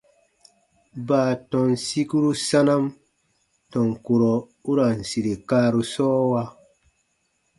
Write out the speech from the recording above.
Baatɔn sikuru sanam tɔn kurɔ u ra n sire kaaru sɔɔwa.